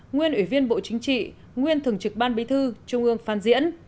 nguyên ủy viên bộ chính trị nguyên thường trực ban bí thư trung ương phan diễn